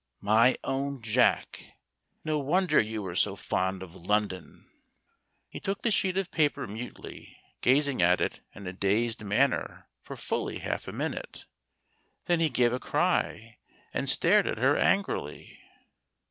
' My own dear Tack!' No wonder you were so fond of Lon¬ don !" He took the sheet of paper mutely, gazing at it in a dazed manner for fully half a minute. Then he gave a cry and stared at her angrily.